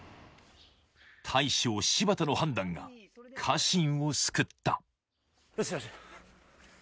大将柴田の判断が家臣を救ったよしよし。